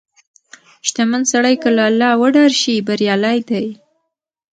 • شتمن سړی که له الله وډار شي، بریالی دی.